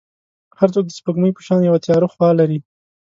هر څوک د سپوږمۍ په شان یو تیاره خوا لري.